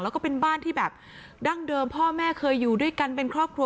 แล้วก็เป็นบ้านที่แบบดั้งเดิมพ่อแม่เคยอยู่ด้วยกันเป็นครอบครัว